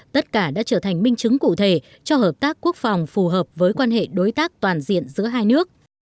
tất cả đã trở thành minh chứng cụ thể cho hợp tác quốc phòng phù hợp với quan hệ đối tác toàn diện giữa hai nước